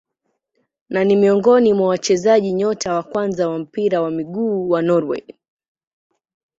Na ni miongoni mwa wachezaji nyota wa kwanza wa mpira wa miguu wa Norway.